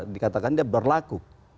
dikatakan dia berlaku